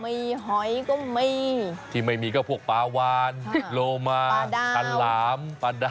ไม่หอยก็ไม่ที่ไม่มีก็พวกปลาวานโลมาปลาดาวคันหลามปลาดาว